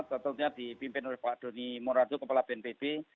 tentunya dipimpin oleh pak doni morado kepala bnpb